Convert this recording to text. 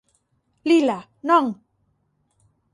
Lila! Non!